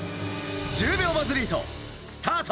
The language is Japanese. １０秒バズリート、スタート！